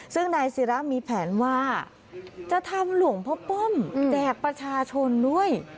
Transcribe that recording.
ซึ่งนายศิรามีแผนว่าจะทำหลวงพ่อป้อมแจกประชาชนด้วย